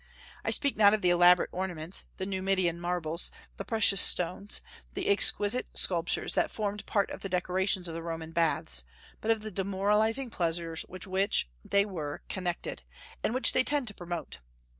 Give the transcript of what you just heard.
I speak not of the elaborate ornaments, the Numidian marbles, the precious stones, the exquisite sculptures that formed part of the decorations of the Roman baths, but of the demoralizing pleasures with which they were connected, and which they tended to promote.